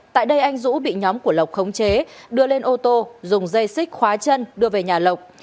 tại đây anh dũ bị nhóm của lộc khống chế đưa lên ô tô dùng dây xích khóa chân đưa về nhà lộc